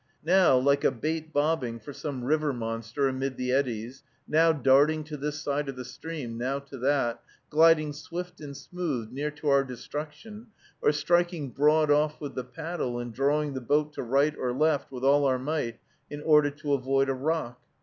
Now like a bait bobbing for some river monster, amid the eddies, now darting to this side of the stream, now to that, gliding swift and smooth near to our destruction, or striking broad off with the paddle and drawing the boat to right or left with all our might, in order to avoid a rock.